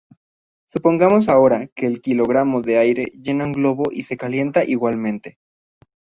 Supongamos ahora que el kg de aire llena un globo y se calienta igualmente.